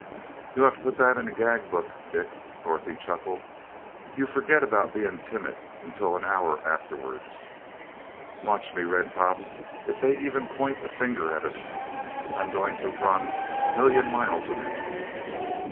"You ought to put that in a gag book, Dick," Dorothy chuckled. "You forget all about being timid until an hour afterwards." "Watch me, Red top! If they even point a finger at us, I'm going to run a million miles a minute."